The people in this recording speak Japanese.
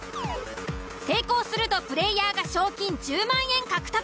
成功するとプレイヤーが賞金１０万円獲得。